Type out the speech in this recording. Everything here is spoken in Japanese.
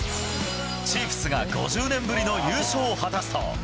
チーフスが５０年ぶりの優勝を果たすと。